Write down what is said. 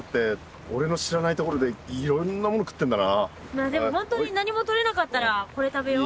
まあでも本当に何もとれなかったらこれ食べよう。